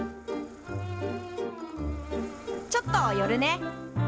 ちょっと寄るね。